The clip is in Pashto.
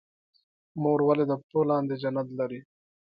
مور ولې د پښو لاندې جنت لري؟